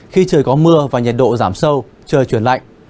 khi trời có mưa và nhiệt độ giảm sâu trời chuyển lạnh